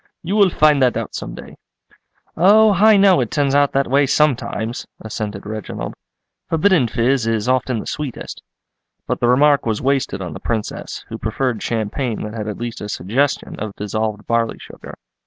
You will find that out some day." "Oh, I know it turns out that way sometimes," assented Reginald. "Forbidden fizz is often the sweetest." But the remark was wasted on the Princess, who preferred champagne that had at least a suggestion of dissolved barley sugar.